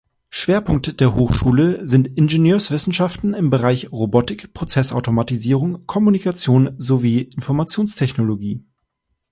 Schwerpunkte der Hochschule sind Ingenieurwissenschaften im Bereich Robotik, Prozessautomatisierung, Kommunikation sowie Informationstechnologie.